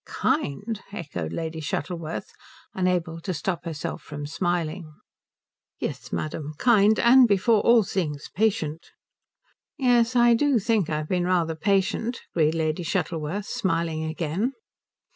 "Kind?" echoed Lady Shuttleworth, unable to stop herself from smiling. "Yes, madam, kind, and before all things patient." "Yes, I do think I've been rather patient," agreed Lady Shuttleworth, smiling again.